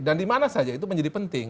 dan di mana saja itu menjadi penting